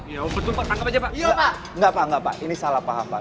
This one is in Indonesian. iya betul pak tanggep aja pak